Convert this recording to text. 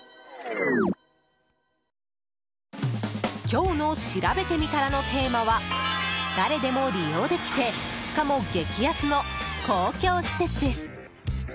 今日のしらべてみたらのテーマは誰でも利用できてしかも、激安の公共施設です。